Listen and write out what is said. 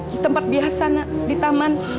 di tempat biasa nak di taman